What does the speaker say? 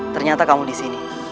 ternyata kamu disini